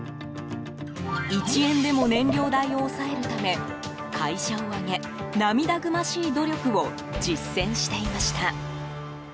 １円でも燃料代を抑えるため会社を挙げ、涙ぐましい努力を実践していました。